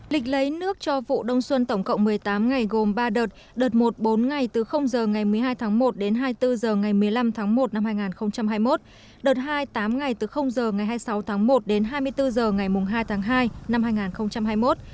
lịch lấy nước cho vụ đông xuân tổng cộng một mươi tám ngày gồm ba đợt đợt một bốn ngày từ h ngày một mươi hai tháng một đến hai mươi bốn h ngày một mươi năm tháng một năm hai nghìn hai mươi một đợt hai tám ngày từ h ngày hai mươi sáu tháng một đến hai mươi bốn h ngày hai tháng hai năm hai nghìn hai mươi một